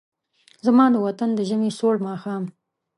زما د وطن د ژمې سوړ ماښام